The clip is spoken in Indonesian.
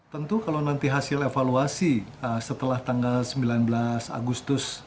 tentu kalau nanti hasil evaluasi setelah tanggal sembilan belas agustus